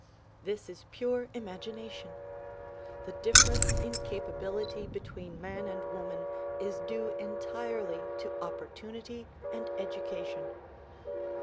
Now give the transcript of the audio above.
This is pure imagination. The difference in capability between man and woman is due entirely to opportunity and education.